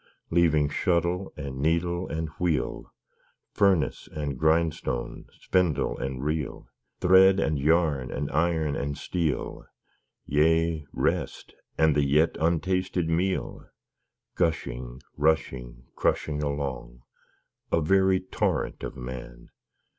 Leaving shuttle, and needle, and wheel, Furnace, and grindstone, spindle, and reel, Thread, and yarn, and iron, and steel Yea, rest and the yet untasted meal Gushing, rushing, crushing along, A very torrent of Man!